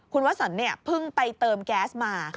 คุณวสันเพิ่งไปเติมแก๊สมา